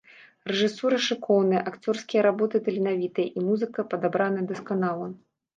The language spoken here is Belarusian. Рэжысура шыкоўная, акцёрскія работы таленавітыя, і музыка падабраная дасканала.